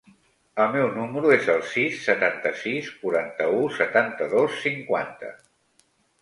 El meu número es el sis, setanta-sis, quaranta-u, setanta-dos, cinquanta.